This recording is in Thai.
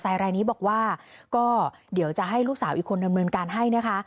รายนี้บอกว่าก็เดี๋ยวจะให้ลูกสาวอีกคนดำเนินการให้นะคะ